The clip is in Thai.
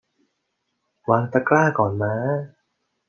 วางตะกร้าก่อนม้า